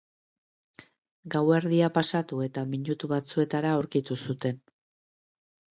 Gauerdia pasatu eta minutu batzuetara aurkitu zuten.